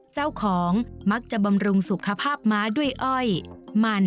เจ้าของมักจะบำรุงสุขภาพม้าด้วยอ้อยมัน